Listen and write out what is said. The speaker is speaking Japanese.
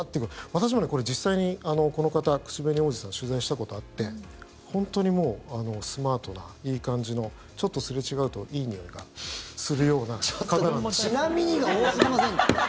私も実際にこの方、口紅王子さん取材したことがあって本当にスマートな、いい感じのちょっとすれ違うといいにおいがするような方なんですけど。